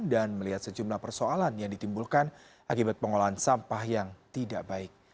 dan melihat sejumlah persoalan yang ditimbulkan akibat pengolahan sampah yang tidak baik